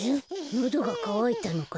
のどがかわいたのかな？